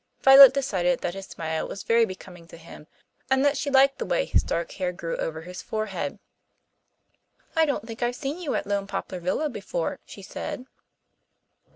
Violet decided that his smile was very becoming to him and that she liked the way his dark hair grew over his forehead. "I don't think I've seen you at Lone Poplar Villa before?" she said.